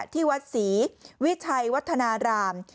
ที่วัดศรีวิชัยวัฒนาราม